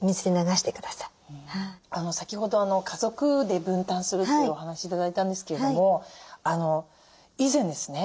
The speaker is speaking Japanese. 先ほど家族で分担するというお話頂いたんですけれども以前ですね